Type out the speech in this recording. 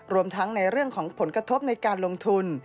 รวมทั้งในเรื่องของผลกระทบในการลงทุน